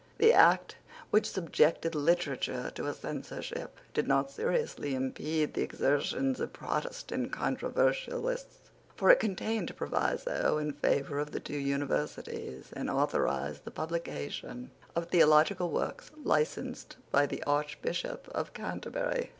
The act which subjected literature to a censorship did not seriously impede the exertions of Protestant controversialists; for it contained a proviso in favour of the two Universities, and authorised the publication of theological works licensed by the Archbishop of Canterbury.